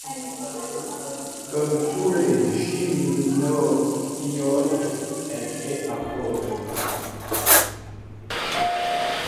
Comme tous les gymnophiones, elle est apode.